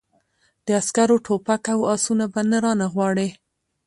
د عسکرو ټوپک او آسونه به نه رانه غواړې!